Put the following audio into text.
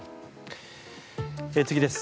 次です。